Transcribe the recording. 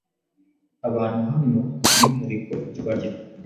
Abantu hano bafite umwihariko kubyo barya,